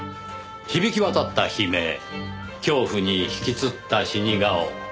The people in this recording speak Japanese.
響き渡った悲鳴恐怖に引きつった死に顔。